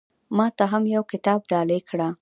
ما ته هم يو کتاب ډالۍ کړه